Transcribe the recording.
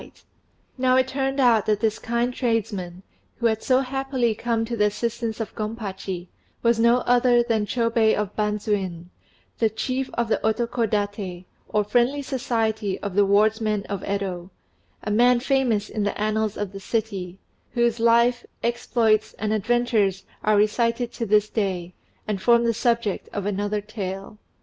] Now it turned out that this kind tradesman, who had so happily come to the assistance of Gompachi, was no other than Chôbei of Bandzuin, the chief of the Otokodaté, or Friendly Society of the wardsmen of Yedo a man famous in the annals of the city, whose life, exploits, and adventures are recited to this day, and form the subject of another tale.